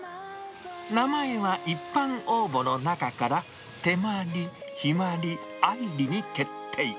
名前は一般応募の中から、てまり、ひまり、あいりに決定。